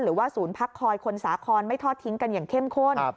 หรือว่าศูนย์พักคอยคนสาครไม่ทอดทิ้งกันอย่างเข้มข้น